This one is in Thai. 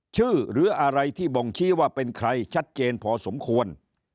หรืออะไรที่บ่งชี้ว่าเป็นใครชัดเจนพอสมควร